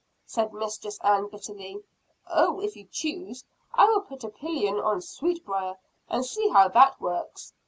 said Mistress Ann bitterly. "Oh, if you choose, I will put a pillion on Sweetbriar, and see how that works?"